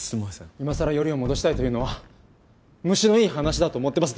今さらヨリを戻したいというのは虫のいい話だと思ってます。